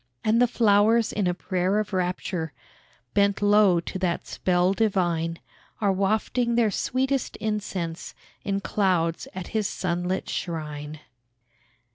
And the flowers in a prayer of rapture, Bent low to that spell divine, Are wafting their sweetest incense In clouds, at his sunlit shrine.